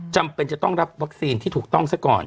จำเป็นจะต้องรับวัคซีนที่ถูกต้องซะก่อน